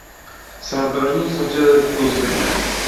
• Sartaroshning sochi to‘zg‘igan.